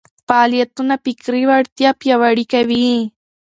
فعالیتونه فکري وړتیا پياوړې کوي.